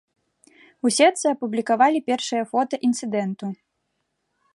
У сетцы апублікавалі першыя фота інцыдэнту.